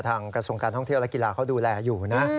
กระทรวงการท่องเที่ยวและกีฬาเขาดูแลอยู่นะ